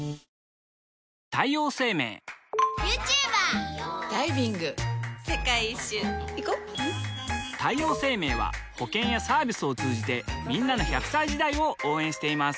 女性 ２） 世界一周いこ太陽生命は保険やサービスを通じてんなの１００歳時代を応援しています